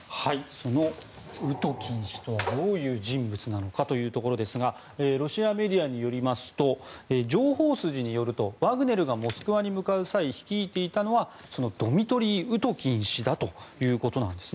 そのウトキン氏とはどういう人物なのかというところですがロシアメディアによりますと情報筋によるとワグネルがモスクワに向かう際率いていたのはドミトリー・ウトキン氏だということです。